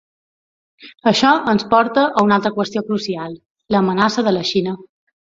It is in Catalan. Això ens porta a una altra qüestió crucial: l’amenaça de la Xina.